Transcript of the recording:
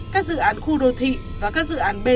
các dự án khu đô thị và các dự án b